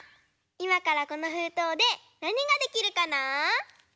いまからこのふうとうでなにができるかな？